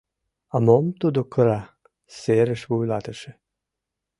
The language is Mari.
— Мом тудо кыра? — сырыш вуйлатыше.